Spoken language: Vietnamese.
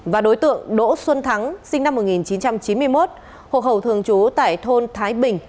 và đối tượng đỗ xuân thắng sinh năm một nghìn chín trăm chín mươi một hộ khẩu thường trú tại thôn thái bình